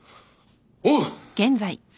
おう！